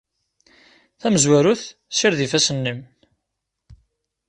Tamezwarut, ssired ifassen-nnem.